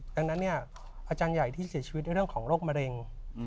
ดังนั้นเนี่ยอาจารย์ใหญ่ที่เสียชีวิตในเรื่องของโรคมะเร็ง